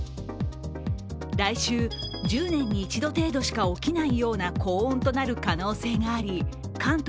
来週、１０年に一度程度しか起きないような高温となる可能性があり関東